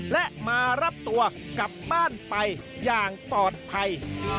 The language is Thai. และมารับตัวกลับบ้านไปอย่างปลอดภัย